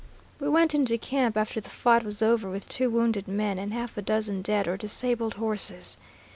"We went into camp after the fight was over with two wounded men and half a dozen dead or disabled horses.